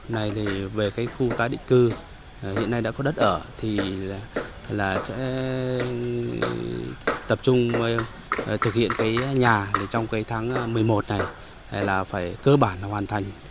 này thì về cái khu tái định cư hiện nay đã có đất ở thì là sẽ tập trung thực hiện cái nhà trong cái tháng một mươi một này là phải cơ bản là hoàn thành